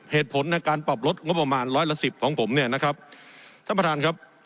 เหตุผลในการปรับลดงบประมาณร้อยละสิบของผมเนี่ยนะครับท่านประธานครับ